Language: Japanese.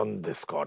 あれ。